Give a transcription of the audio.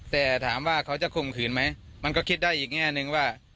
แต่ถามว่าเขาจะข่มขืนไหมมันก็คิดได้อีกแง่นึงว่า